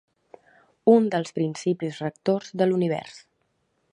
Un dels principis rectors de l'univers.